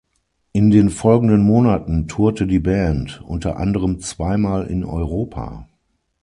In den folgenden Monaten tourte die Band, unter anderem zweimal in Europa.